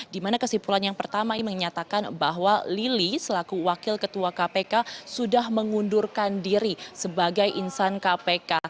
dimana kesimpulan yang pertama ini menyatakan bahwa lili selaku wakil ketua kpk sudah mengundurkan diri sebagai insan kpk